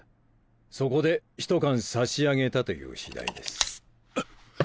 そこでひと缶差し上げたという次第です。